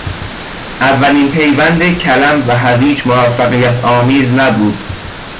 اولین پیوند کلم و هویج موفقیتآمیز نبود.